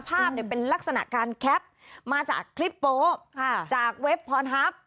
ภาพเป็นลักษณะการแคปมาจากคลิปโป๊ะจากเว็บพรฮัพ